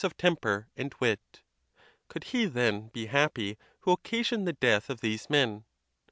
of temper, and wit. Could he, then, be happy who occasioned the | death of these men?